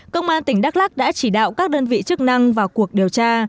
công an tỉnh đắk lắc đã chỉ đạo các đơn vị chức năng vào cuộc điều tra